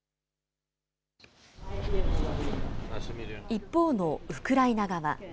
一方のウクライナ側。